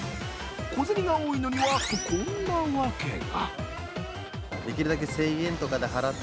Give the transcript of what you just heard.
小銭が多いのには、こんなワケが。